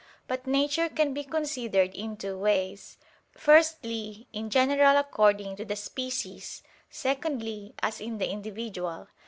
But nature can be considered in two ways: firstly, in general according to the species; secondly, as in the individual.